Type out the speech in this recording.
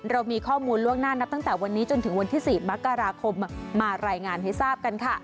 เรามีข้อมูลล่วงหน้านับตั้งแต่วันนี้จนถึงวันที่๔มกราคมมารายงานให้ทราบกันค่ะ